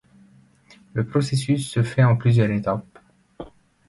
Le processus se fait en plusieurs étapes.